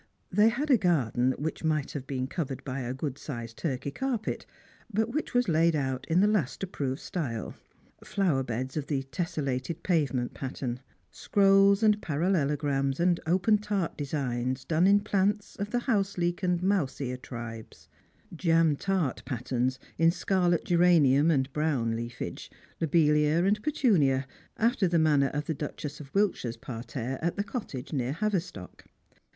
They had a garden which might have been covered by a good sized turkey carpet, but which was laid out in the last approved style : liower beds of the tesselated pavement pattern ; scrolls and parallelograms, and open tart designs done in plants of the housejeek and mouse ear tribes; jam tart patterns in scarlet geranium and brown leafage, lobelia and petunia, after the m.an ner of the Duchess of Wiltshire's parterre at the Cottage near Havistock.